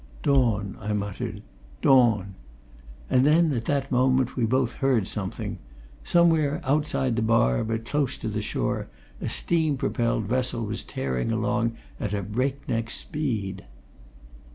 "Dawn," I muttered. "Dawn!" And then, at that moment, we both heard something. Somewhere outside the bar, but close to the shore, a steam propelled vessel was tearing along at a break neck speed.